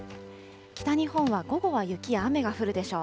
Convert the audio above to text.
北日本は午後は雪や雨が降るでしょう。